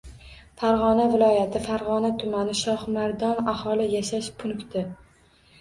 Farg‘ona viloyati, Farg‘ona tumani, Shoximardon aholi yashash punkti